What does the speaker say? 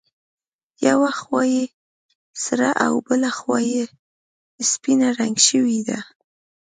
یوه خوا یې سره او بله خوا یې سپینه رنګ شوې ده.